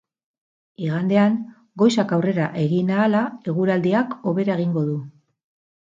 Igandean, goizak aurrera egin ahala eguraldiak hobera egingo du.